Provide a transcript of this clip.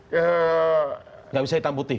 tidak bisa hitam putih